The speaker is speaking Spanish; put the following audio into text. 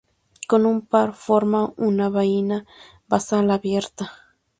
Con un par forma una vaina basal abierta.